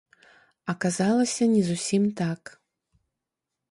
Аказалася, не зусім так.